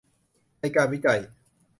ในการวิจัย